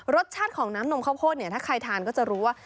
รสชาติของน้ำนมข้าวโพดเนี่ยถ้าใครทานก็จะรู้ว่า